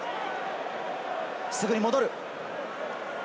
すぐに戻る。